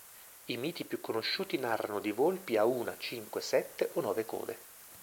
I miti più conosciuti narrano di volpi a una, cinque, sette, o nove code.